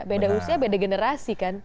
beda usia beda generasi kan